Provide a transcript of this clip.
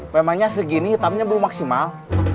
memangnya segini hitamnya belum maksimal